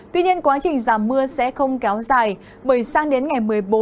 tuy nhiên quá trình giảm mưa sẽ không kéo dài bởi sang đến ngày một mươi bốn